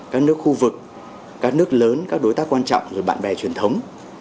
các nước khu vực các nước lớn các đối tác quan trọng bạn bè truyền thống